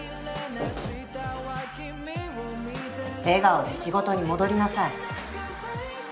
笑顔で仕事に戻りなさい。